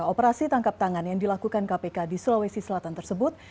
operasi tangkap tangan yang dilakukan kpk di sulawesi selatan tersebut